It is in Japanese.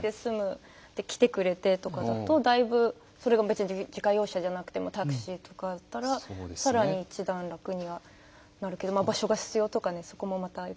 で来てくれてとかだとだいぶそれは自家用車じゃなくてもタクシーとかだったらさらに一段楽にはなるけど場所が必要とかでそこもまたいろいろありますけど。